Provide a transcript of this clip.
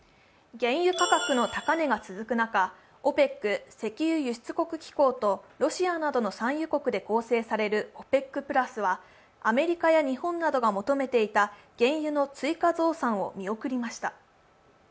原油価格の高値が続く中、ＯＰＥＣ＝石油輸出国機構とロシアなどの産油国で構成されるＯＰＥＣプラスはアメリカや日本などが求めていた原油の追加増産を見送りました。